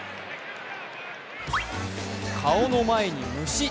顔の前に虫。